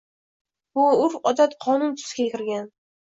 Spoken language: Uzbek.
Bu urf-odat qonun tusiga kirgan.